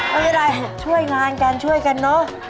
ไม่ได้ช่วยงานกันช่วยกันเนอะ